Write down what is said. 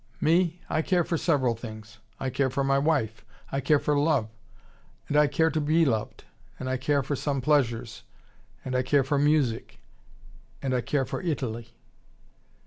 "Me? I care for several things. I care for my wife. I care for love. And I care to be loved. And I care for some pleasures. And I care for music. And I care for Italy."